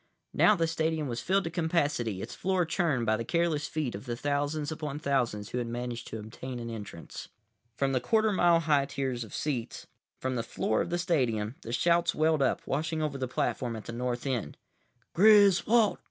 Now the stadium was filled to capacity, its floor churned by the careless feet of the thousands upon thousands who had managed to obtain an entrance. From the quarter mile high tiers of seats, from the floor of the stadium, the shouts welled up, washing over the platform at the North end. "Griswold!